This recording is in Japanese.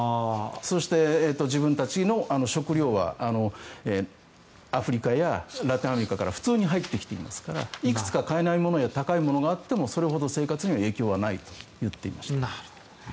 そして自分たちの食料はアフリカやラテンアメリカから普通に入ってきていますからいくつか買えないものや高いものがあってもそれほど生活には影響はないと言っていました。